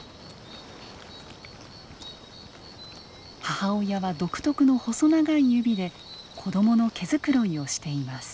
母親は独特の細長い指で子どもの毛繕いをしています。